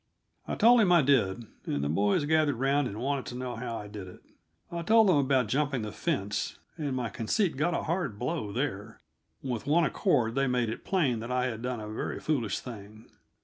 I told him I did, and the boys gathered round and wanted to know how I did it. I told them about jumping the fence, and my conceit got a hard blow there; with one accord they made it plain that I had done a very foolish thing.